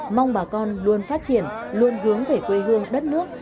mong bà con luôn phát triển luôn hướng về quê hương đất nước